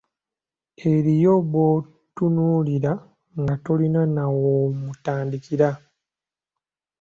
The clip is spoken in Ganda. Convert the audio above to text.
Eriyo b'otunuulira nga tolina naw'omutandikira.